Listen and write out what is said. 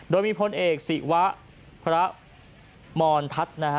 โดยมีพลเอกศรีวะพระมรทัศน์